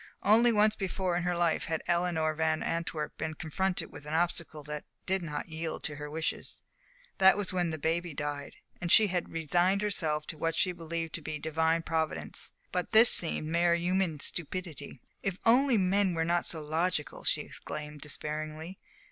Only once before in her life had Eleanor Van Antwerp been confronted with an obstacle that did not yield to her wishes. That was when the baby died, and she had resigned herself to what she believed to be Divine Providence. But this seemed mere human stupidity. "If only men were not so logical!" she exclaimed, despairingly.